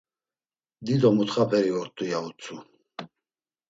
Dido mutxaperi ort̆u, ya utzu.